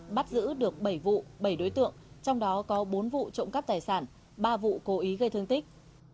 bắt giữ được bảy vụ bảy đối tượng trong đó có bốn vụ trộm cắp tài sản ba vụ cố ý gây thương tích